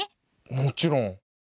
もちろん。